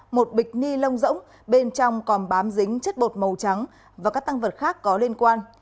một bịch ni lông rỗng bên trong còn bám dính chất bột màu trắng và các tăng vật khác có liên quan